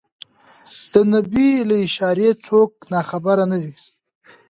د نبي له اشارې څوک ناخبر نه دي.